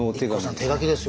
手書きですよ。